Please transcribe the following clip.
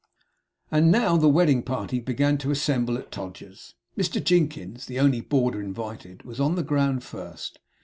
And now the wedding party began to assemble at Todgers's. Mr Jinkins, the only boarder invited, was on the ground first.